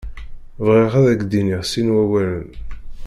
Bɣiɣ ad k-d-iniɣ sin wawalen.